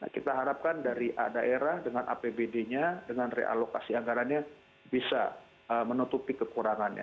kita harapkan dari daerah dengan apbd nya dengan realokasi anggarannya bisa menutupi kekurangannya